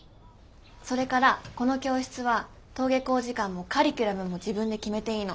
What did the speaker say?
それからこの教室は登下校時間もカリキュラムも自分で決めていいの。